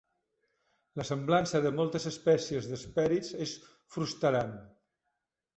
La semblança de moltes espècies d'hespèrids és frustrant.